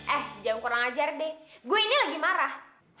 eh jangan kurang ajar deh gue ini lagi marah